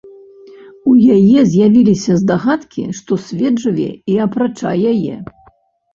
У яе з'явіліся здагадкі, што свет жыве і апрача яе.